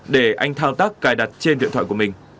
để anh thao tác cài đặt trên điện thoại của mình